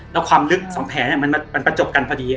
แล้วความลึก๒แผลมันประจบกันพอดี